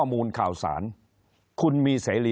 คนในวงการสื่อ๓๐องค์กร